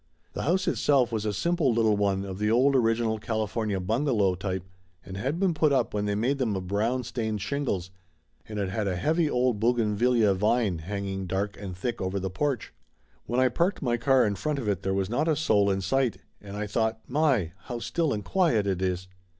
The house itself was a simple little one of the old original California bungalow type, and had been put up when they made them of brown stained shingles, and it had a heavy old buginvillaea vine hang ing dark and thick over the porch. When I parked my car in front of it there was not a soul in sight, and I thought my ! how still and quiet it is